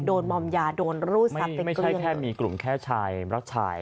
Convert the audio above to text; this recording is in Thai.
โดนมอมยาโดนรู้สับเป็นกลุ่มไม่ใช่แค่มีกลุ่มแค่ชายรักชาย